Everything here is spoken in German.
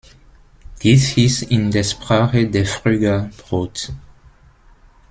Dies hieß in der Sprache der Phryger „Brot“.